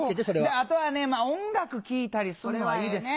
あとは音楽聴いたりすんのはいいですよ。